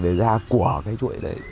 để ra của cái chuỗi đấy